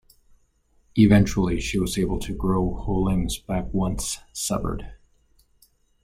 Eventually she was able to grow whole limbs back once severed.